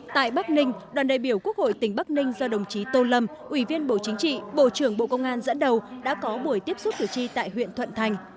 tại bắc ninh đoàn đại biểu quốc hội tỉnh bắc ninh do đồng chí tô lâm ủy viên bộ chính trị bộ trưởng bộ công an dẫn đầu đã có buổi tiếp xúc cử tri tại huyện thuận thành